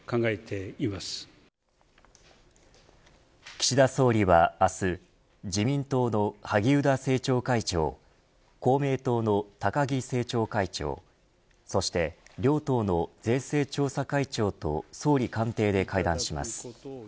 岸田総理は明日自民党の萩生田政調会長公明党の高木政調会長そして両党の税制調査会長と総理官邸で会談します。